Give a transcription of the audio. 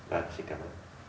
vâng xin cảm ơn